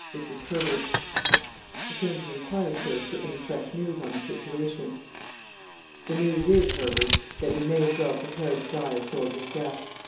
It was Herbert. "I came to inquire, sir, for any fresh news on the situation." "The news is, Herbert, that we may as well prepare to die a soldier's death.